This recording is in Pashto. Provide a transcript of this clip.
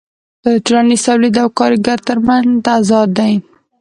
دا د ټولنیز تولید او کارګر ترمنځ تضاد دی